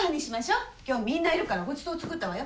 今日はみんないるからごちそう作ったわよ。